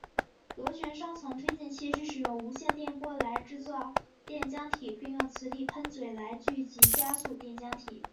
螺旋双层推进器是使用无线电波来制造电浆体并用磁力喷嘴来聚集加速电浆体。